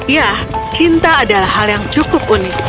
ya cinta adalah hal yang cukup unik